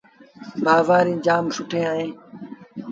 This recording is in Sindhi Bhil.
بآزآريٚݩ جآم سُٺيٚن اهيݩ۔